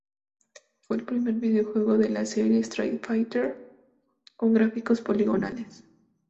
Fue el primer videojuego de la serie "Street Fighter" con gráficos poligonales.